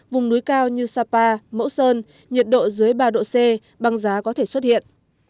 vùng núi cao như sapa mẫu sơn nhiệt độ dưới ba độ c băng giá có thể xuất hiện